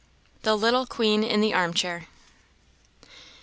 The little Queen in the Arm Chair.